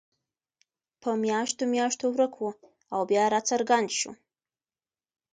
په میاشتو میاشتو ورک وو او بیا راڅرګند شو.